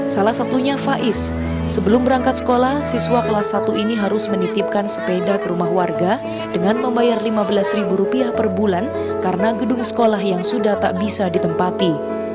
salah satunya faiz sebelum berangkat sekolah siswa kelas satu ini harus menitipkan sepeda ke rumah warga dengan membayar lima belas ribu rupiah per bulan karena gedung sekolah yang sudah tak bisa ditempati